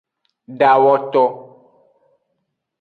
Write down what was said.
Dawoto.